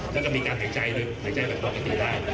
แล้วก็มีการหายใจหรือหายใจแบบปกติได้